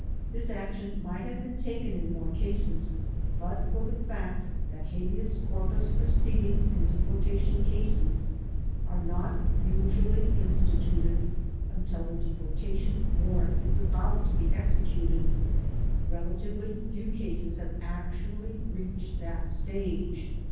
This action might have been taken in more cases but for the fact that habeas corpus proceedings in deportation cases are not usually insti tuted until the deportation warrant is about to be exe cuted. Relatively few cases have actually reached that stage.